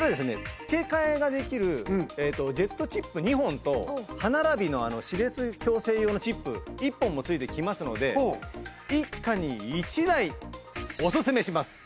付け替えができるジェットチップ２本と歯並びの歯列矯正用のチップ１本も付いてきますので一家に一台おすすめします。